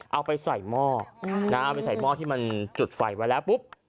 เอาไปใส่หม้อเอาไปใส่หม้อที่มันจุดไฟไว้แล้วปุ๊บ